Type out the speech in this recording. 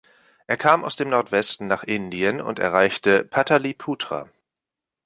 Er kam aus dem Nordwesten nach Indien und erreichte Pataliputra.